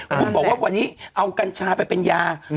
คุณบอกว่าวันนี้เอากัญชาไปเป็นยา